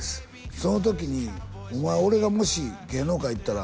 その時に「お前俺がもし芸能界行ったら」